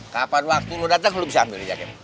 kapan waktu lo datang lo bisa ambil di jaket